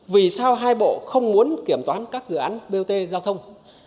vì sao hai bộ không muốn kiểm toán các dự án bot giao thông